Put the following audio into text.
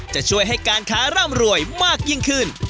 จะช่วยให้การค้าร่ำรวยมากยิ่งขึ้น